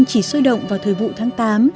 chỉ sôi động vào thời vụ tháng tám